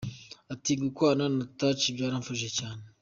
Ati “Gukorana na Touch byaramfashije cyane.